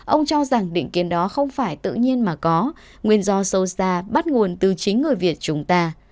ông cho rằng định kiến đó không phải tự nhiên mà có nguyên do sâu xa bắt nguồn từ chính người việt chúng ta